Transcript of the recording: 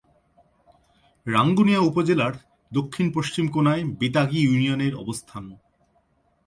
রাঙ্গুনিয়া উপজেলার দক্ষিণ-পশ্চিম কোণায় বেতাগী ইউনিয়নের অবস্থান।